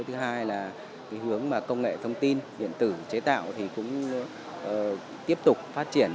thứ hai là hướng công nghệ thông tin điện tử chế tạo thì cũng tiếp tục phát triển